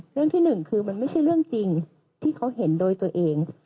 เรื่องที่หนึ่งคือมันไม่ใช่เรื่องจริงที่เขาเห็นโดยตัวเอง